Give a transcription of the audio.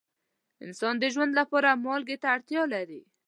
انسان د ژوند لپاره مالګې ته اړتیا لري.